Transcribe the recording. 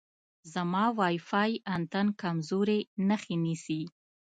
زما وای فای انتن کمزورې نښې نیسي.